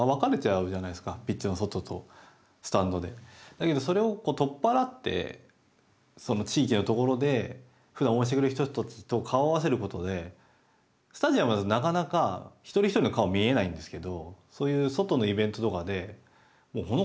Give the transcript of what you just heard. だけどそれを取っ払ってその地域のところでふだん応援してくれる人たちと顔を合わせることでスタジアムだとなかなか一人一人の顔見えないんですけど